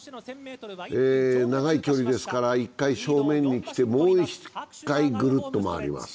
長い距離ですから１回正面に来てもう一回、ぐるっと回ります。